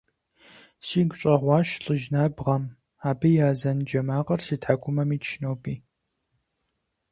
Сигу щӀэгъуащ лӀыжь набгъэм, абы и азэн джэ макъыр си тхьэкӀумэм итщ ноби…